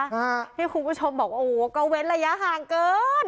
ที่คุณผู้ชมบอกโอ้โหก็เว้นระยะห่างเกิน